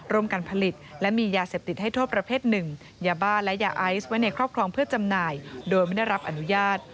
ร่วมกันผลิตและมียาเสพติดให้โทษประเภทหนึ่งยาบ้าและยาไอซ์ไว้ในครอบครองเพื่อจำหน่ายโดยไม่ได้รับอนุญาต